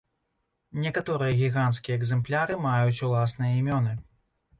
Некаторыя гіганцкія экзэмпляры маюць уласныя імёны.